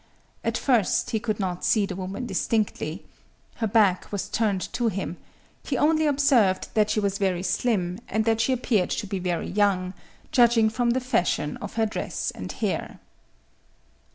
At first he could not see the woman distinctly. Her back was turned to him;—he only observed that she was very slim, and that she appeared to be very young,—judging from the fashion of her dress and hair.